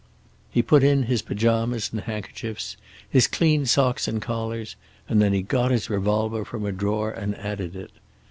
He put in his pajamas and handkerchiefs, his clean socks and collars, and then he got his revolver from a drawer and added it.